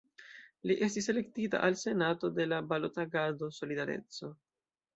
Li estis elektita al Senato de la Balot-Agado "Solidareco".